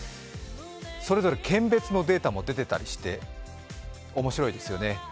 それぞれ県別のデータも出てたりして、おもしろいですよね。